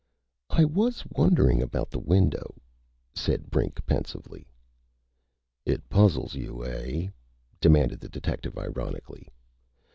"I was wondering about the window," said Brink, pensively. "It puzzles you, eh?" demanded the detective ironically.